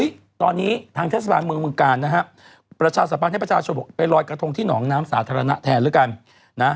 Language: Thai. ตอนนี้ตอนนี้ทางเทศบาลเมืองเมืองกาลนะฮะประชาสัมพันธ์ให้ประชาชนบอกไปลอยกระทงที่หนองน้ำสาธารณะแทนแล้วกันนะ